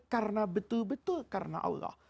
karena betul betul karena allah